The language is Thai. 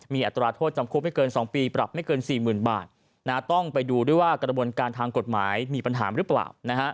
มีอัตราโทษจำคุกไม่เกิน๒ปีปรับไม่เกิน๔๐๐๐บาทต้องไปดูด้วยว่ากระบวนการทางกฎหมายมีปัญหาหรือเปล่า